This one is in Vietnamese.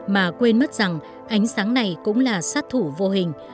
mà quên mất rằng ánh sáng này cũng là sát thủ vô hình